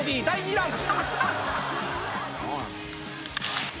第２弾。